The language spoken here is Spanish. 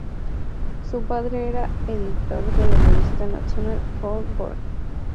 Su padre era editor de la revista National Coal Board.